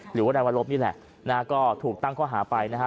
หรือว่าในวันลบนี้แหละน่าก็ถูกตั้งเขาหาไปนะฮะ